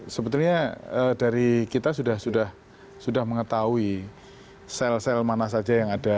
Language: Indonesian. sebetulnya dari kita sudah mengetahui sel sel mana saja yang ada